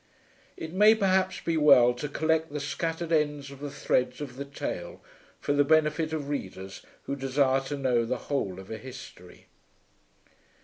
It may perhaps be well to collect the scattered ends of the threads of the tale for the benefit of readers who desire to know the whole of a history.